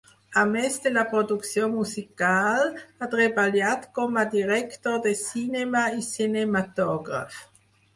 A més de la producció musical, ha treballat com a director de cinema i cinematògraf.